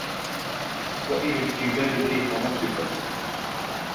وإلى الجبال كيف نصبت